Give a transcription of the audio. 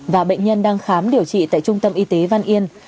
và bệnh nhân đang khám điều trị tại trung tâm y tế văn yên